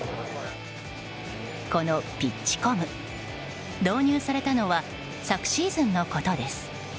このピッチコム、導入されたのは昨シーズンのことです。